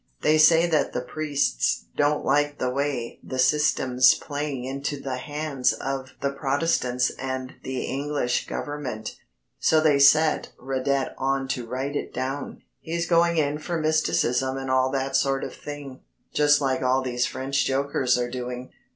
They say that the priests don't like the way the Système's playing into the hands of the Protestants and the English Government. So they set Radet on to write it down. He's going in for mysticism and all that sort of thing just like all these French jokers are doing.